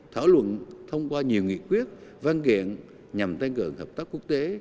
thảo luận thông qua nhiều nghị quyết văn kiện nhằm tăng cường hợp tác quốc tế